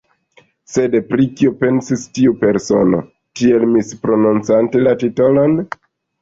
Sed pri kio pensis tiu persono, tiel misprononcante la titolon?